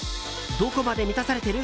どこまで満たされている？